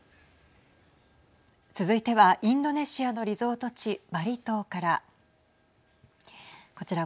続いてはインドネシアのリゾート地バリ島から。